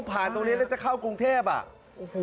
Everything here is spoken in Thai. ผ่านตรงนี้แล้วจะเข้ากรุงเทพ